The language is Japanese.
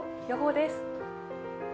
予報です。